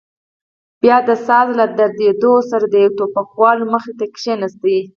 بيا د ساز له درېدو سره د يوه ټوپکوال مخې ته کښېناست.